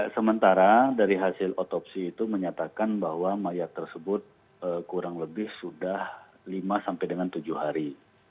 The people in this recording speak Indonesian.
sementara dari hasil otopsi itu menyatakan bahwa mayat tersebut kurang lebih sudah lima sampai dengan tujuh hari